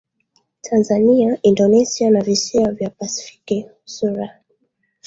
Tanzania Indonesia na Visiwa vya Pasifiki sura